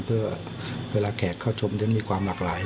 เพื่อเวลาแขกเข้าชมจะมีความหลากหลาย